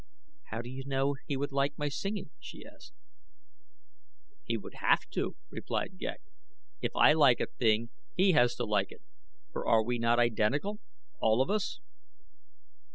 "How do you know he would like my singing?" she asked. "He would have to," replied Ghek. "If I like a thing he has to like it, for are we not identical all of us?"